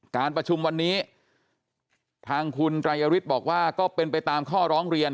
การประชุมวันนี้ทางคุณไตรยฤทธิ์บอกว่าก็เป็นไปตามข้อร้องเรียน